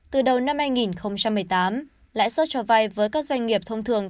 từ đầu năm hai nghìn một mươi tám lãi suất cho vay với các doanh nghiệp thông thường